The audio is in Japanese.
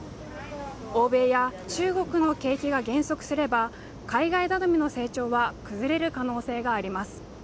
欧米や中国の景気が減速すれば海外頼みの成長は崩れる可能性があります